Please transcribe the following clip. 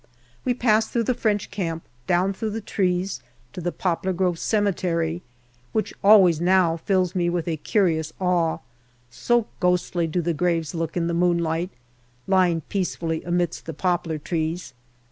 We pass through the French camp down through the trees to the poplar grove cemetery, which always now fills me with a curious awe, so ghostly do the graves look in the moonlight, lying peacefully amidst the poplar trees.